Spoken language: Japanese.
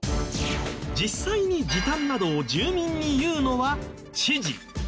実際に時短などを住民に言うのは知事。